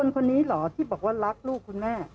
คนนี้เหรอที่บอกว่ารักลูกคุณแม่